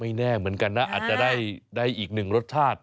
แน่เหมือนกันนะอาจจะได้อีกหนึ่งรสชาติ